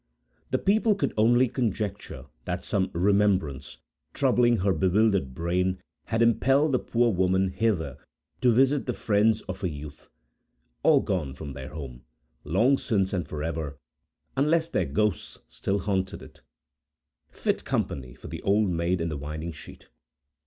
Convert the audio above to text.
The people could only conjecture, that some old remembrance, troubling her bewildered brain, had impelled the poor woman hither to visit the friends of her youth; all gone from their home, long since and forever, unless their ghosts still haunted it,—fit company for the "Old Maid in the Winding Sheet."